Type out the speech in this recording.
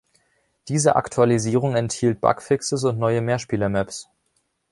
Diese Aktualisierung enthielt Bugfixes und neue Mehrspieler-Maps.